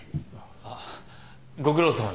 あっご苦労さまです。